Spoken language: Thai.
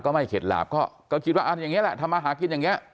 ไม่เข็ดหลาบก็คิดว่าอย่างนี้แหละทำมาหากินอย่างนี้